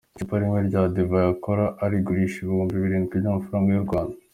Icupa rimwe rya divayi akora arigurisha ibihumbi birindwi by’amafaranga y’u Rwanda.